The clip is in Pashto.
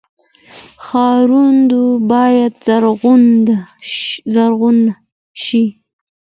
ښارونه باید زرغون شي